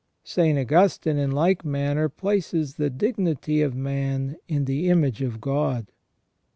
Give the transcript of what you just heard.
% St. Augustine, in like manner, places the dignity of man in the image of God.